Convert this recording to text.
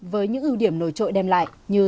với những ưu điểm nổi trội đem lại như